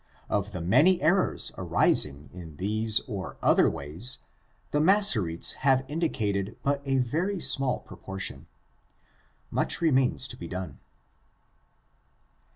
Of the many errors arising in these and other ways the Massortes have indicated but a very small proportion. Much remains to be done.